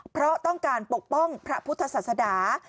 เพราะต้องการปกป้องพระพุทธศาสนา